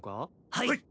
はい！